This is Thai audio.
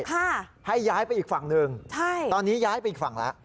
ค่ะให้ย้ายไปอีกฝั่งหนึ่งใช่ตอนนี้ย้ายไปอีกฝั่งแล้ว